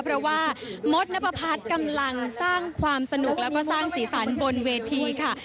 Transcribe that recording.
เพราะว่ามดนับประพัฒน์กำลังสร้างความสนุกแล้วก็สร้างสีสันบนเวทีค่ะ